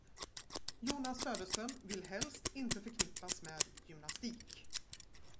Jonas Söderström vill helst inte förknippas med gymnastik.